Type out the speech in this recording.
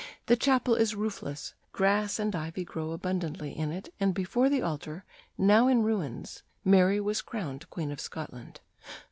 The chapel is roofless, grass and ivy grow abundantly in it; and before the altar, now in ruins, Mary was crowned Queen of Scotland.